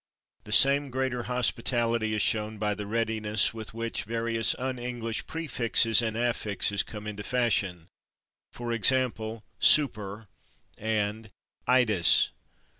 The same greater hospitality is shown by the readiness with which various un English prefixes and affixes come into fashion, for example, /super / and / itis